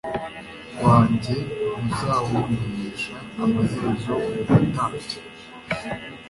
wanjye ntuzawunamisha Amaherezo uwo mutambyi